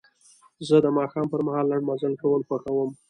زه د ماښام پر مهال لنډ مزل کول خوښوم.